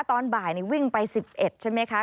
ตอนบ่ายวิ่งไป๑๑ใช่ไหมคะ